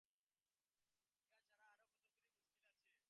ইহা ছাড়া আরও কতকগুলি মুশকিল আছে।